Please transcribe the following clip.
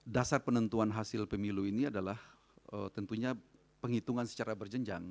dasar penentuan hasil pemilu ini adalah tentunya penghitungan secara berjenjang